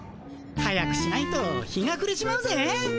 早くしないと日がくれちまうぜ。